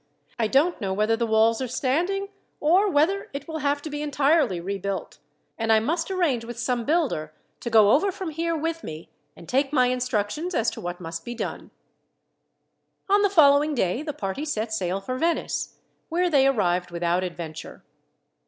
I don't know whether the walls are standing, or whether it will have to be entirely rebuilt, and I must arrange with some builder to to go over from here with me, and take my instructions as to what must be done." On the following day the party set sail for Venice, where they arrived without adventure.